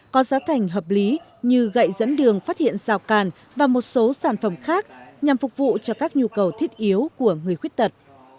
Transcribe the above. có giá thành hợp lý như gậy dẫn đường phát hiện rào càn và một số sản phẩm khác nhằm phục vụ cho các nhu cầu thiết yếu của người khuyết tật